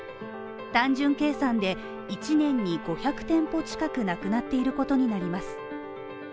単純計算で、１年に５００店舗近くなくなっていることになります。